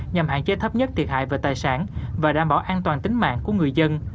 nhằm hạn chế thấp nhất thiệt hại về tài sản và đảm bảo an toàn tính mạng của người dân